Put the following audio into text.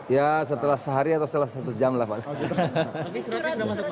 ya setelah sehari atau setelah satu jam lah pak